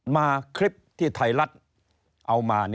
มาคลิปที่ไทยรัฐเอามา